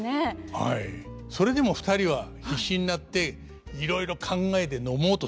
はいそれでも２人は必死になっていろいろ考えて飲もうとするわけです。